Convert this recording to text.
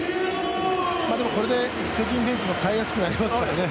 これで巨人ベンチも代えやすくなりますからね。